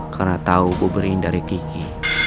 karena tau buburi ini dari kiki